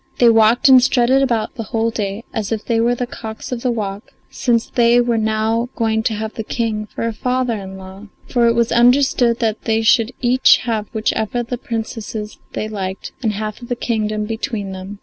They walked and strutted about the whole of the day, as if they were the cocks of the walk, since they were now going to have the King for father in law. For it was understood they should each have whichever of the Princesses they liked and half the kingdom between them.